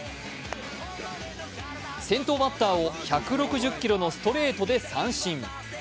先頭バッターを１６０キロのストレートで三振。